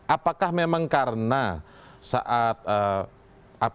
apakah memang karena saat apa